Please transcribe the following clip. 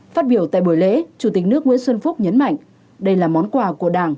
phát biểu tại buổi lễ chủ tịch nước nguyễn xuân phúc nhấn mạnh đây là món quà của đảng